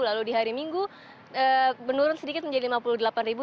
lalu di hari minggu menurun sedikit menjadi lima puluh delapan ribu